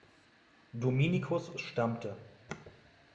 Dominikus stammte.